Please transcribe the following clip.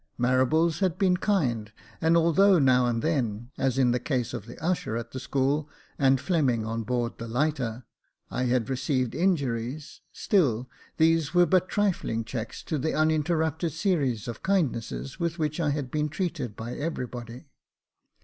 Marables had been kind ; and, although now and then, as in the case of the usher at the school, and Fleming on board the lighter, I had received injuries, still, these were but trifling checks to the uninterrupted series of kindness with which I had been treated by everybody.